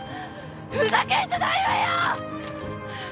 ふざけんじゃないわよ！